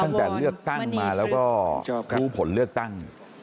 เลือกตั้งมาแล้วก็รู้ผลเลือกตั้ง